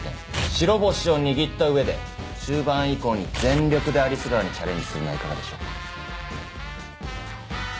白星を握った上で中盤以降に全力で有栖川にチャレンジするのはいかがでしょうか。